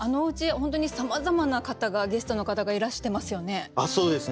本当にさまざまな方がゲストの方がいらしてますよね。